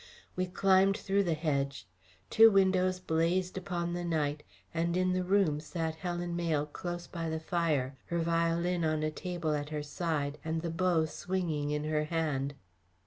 We climbed through the hedge; two windows blazed upon the night, and in the room sat Helen Mayle close by the fire, her violin on a table at her side and the bow swinging in her hand.